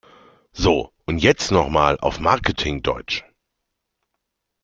So, und jetzt noch mal auf Marketing-Deutsch!